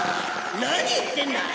何言ってんだい！